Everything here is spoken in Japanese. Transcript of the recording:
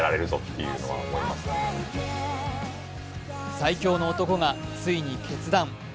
最強の男がついに決断。